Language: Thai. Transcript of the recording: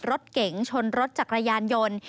รถเก๋งชนรถจักรยานยนต์